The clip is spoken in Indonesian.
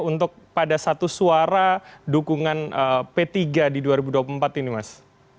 untuk pada satu suara dukungan p tiga di dua ribu dua puluh empat ini mas